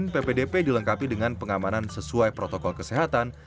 ppdp dilengkapi dengan pengamanan sesuai protokol kesehatan